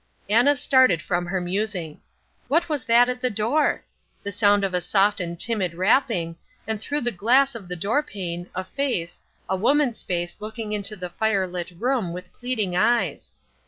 Anna started from her musing— What was that at the door? The sound of a soft and timid rapping, and through the glass of the door pane, a face, a woman's face looking into the fire lit room with pleading eyes.